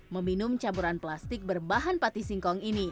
meminum campuran plastik berbahan pati singkong ini